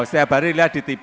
mbak bari lihat di tv